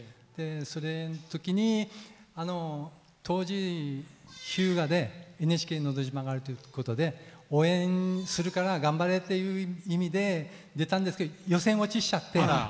そのときに当時、日向で「ＮＨＫのど自慢」があるということで応援するから頑張れっていう意味で出たんですけど予選落ちしちゃって、